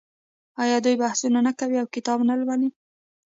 آیا دوی بحثونه نه کوي او کتاب نه لوالي؟